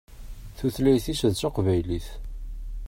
Tutlayt-is d taqbaylit.